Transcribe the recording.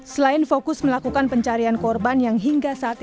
selain fokus melakukan pencarian korban yang hingga saat ini